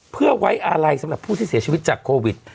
เพื่อไว้อาลัยสำหรับผู้ที่เสียชีวิตจากโควิด